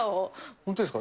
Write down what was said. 本当ですか？